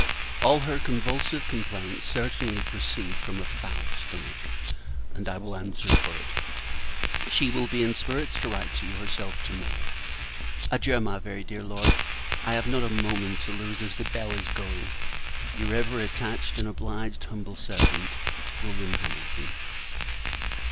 All her convulsive complaints certainly proceed from a foul stomach; and I will answer for it, she will be in spirits to write to you herself to morrow. Adieu! my very dear Lord. I have not a moment to lose, as the bell is going. Your ever attached and obliged humble servant, Wm. HAMILTON.